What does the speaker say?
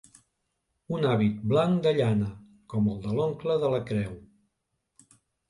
Un hàbit blanc de llana, com el de l'oncle de la creu.